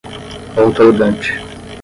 outorgante